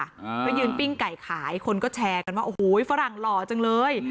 ก็ยืนปิ้งไก่ขายคนก็แชร์กันว่าโอ้โหฝรั่งหล่อจังเลย